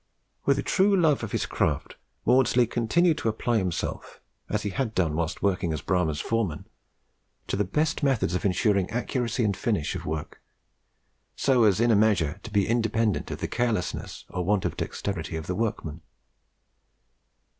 With a true love of his craft, Maudslay continued to apply himself, as he had done whilst working as Bramah's foreman, to the best methods of ensuring accuracy and finish of work, so as in a measure to be independent of the carelessness or want of dexterity of the workman.